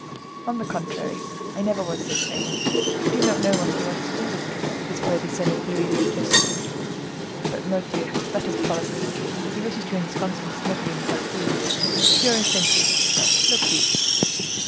"On the contrary, I never was so sane. You do not know what he wants to do with me, this worthy son of Louis le Juste!—But, mordioux! that is policy. He wishes to ensconce me snugly in the Bastile—purely and simply, look you!"